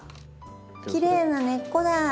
きれいな根っこだ。